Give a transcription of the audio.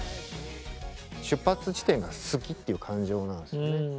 出発地点が好きっていう感情なんですよね。